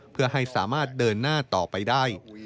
เพื่อให้สามารถเดินหน้าต่อไปได้